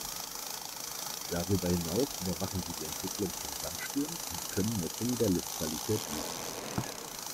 Darüber hinaus überwachen sie die Entwicklung von Sandstürmen und können Messungen der Luftqualität liefern.